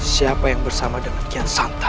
siapa yang bersama dengan kian santa